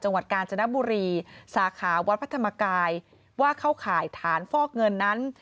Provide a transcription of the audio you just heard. จังหวัดกาญจนบุรีสาขาวัดพระธรรมกายว่าเข้าข่ายฐานฟอกเงินนั้น